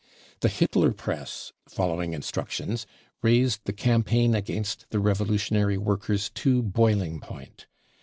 The Hitler Press, following instructions, raised The cam paign against the revolutionary workers to boiling point.